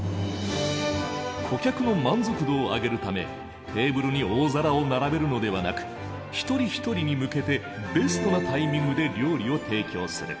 顧客の満足度を上げるためテーブルに大皿を並べるのではなく一人一人に向けてベストなタイミングで料理を提供する。